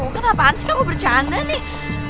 kenapaan sih kamu bercanda nih